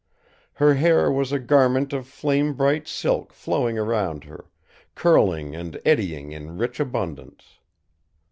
Her hair was a garment of flame bright silk flowing around her, curling and eddying in rich abundance.